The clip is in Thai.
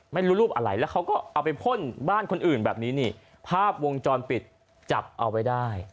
ไม่รู้รูปอะไรแล้วเขาก็เอาไปพ่นบ้านคนอื่นแบบนี้นี่ภาพวงจรปิดจับเอาไว้ได้